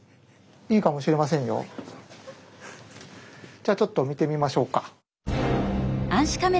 じゃあちょっと見てみましょうか。